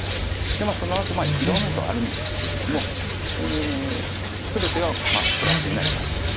でそのあといろんなことがあるんですけれども全てはプラスになります。